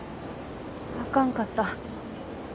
あかんかった。